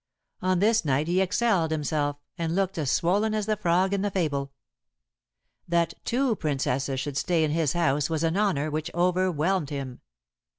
On this night he excelled himself, and looked as swollen as the frog in the fable. That two Princesses should stay in his house was an honor which overwhelmed him.